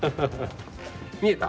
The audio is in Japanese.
見えた？